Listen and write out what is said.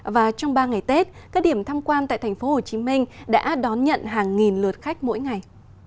và trong ba ngày tết các điểm tham quan tại thành phố hồ chí minh đã đón nhận hàng nghìn lượt khách mỗi ngày